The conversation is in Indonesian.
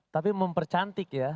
tapi mempercantik ya